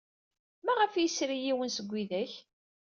Maɣef ay yesri yiwen seg widak?